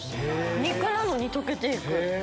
肉なのに溶けて行く。